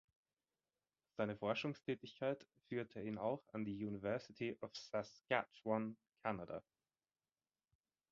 Seine Forschungstätigkeit führte ihn auch an die University of Saskatchewan, Kanada.